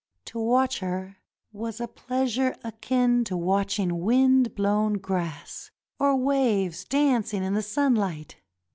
To watch her was a pleasure akin to watching wind blown grass, or waves dancing in the sunhght.